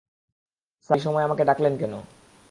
Sir, এই সময়ে আমাকে ডাকলেন কেন?